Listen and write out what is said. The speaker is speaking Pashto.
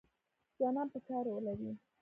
ځوانان به کار ولري؟